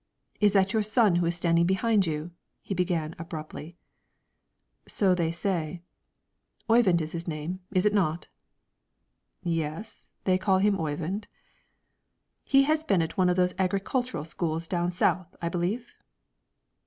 "Is that your son who is standing behind you?" he began, abruptly. "So they say." "Oyvind is his name, is it not?" "Yes; they call him Oyvind." "He has been at one of those agricultural schools down south, I believe?"